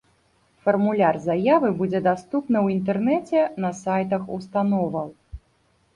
Фармуляр заявы будзе даступны ў інтэрнэце на сайтах установаў.